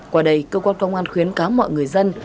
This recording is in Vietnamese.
qua đây cơ quan công an khuyến cáo mọi người dân